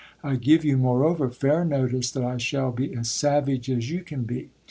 I give you, moreover, fair notice, that I shall be as savage as you can be.